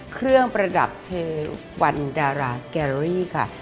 เครื่องประดับเทวันดาราแกรอรี่ค่ะ